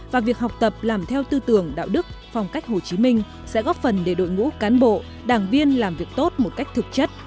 và việc học tập làm theo tư tưởng đạo đức phong cách hồ chí minh sẽ góp phần để đội ngũ cán bộ đảng viên làm việc tốt một cách thực chất